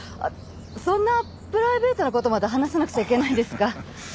そんなプライベートな事まで話さなくちゃいけないんですか。